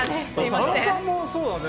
佐野さんもそうだね。